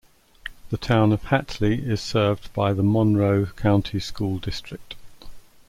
The Town of Hatley is served by the Monroe County School District.